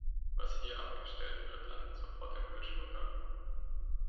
Was hier abgestellt wird, landet sofort im Müllschlucker.